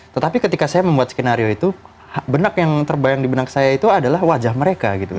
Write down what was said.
tetapi ketika saya membuat skenario itu benak yang terbayang di benak saya itu adalah wajah mereka gitu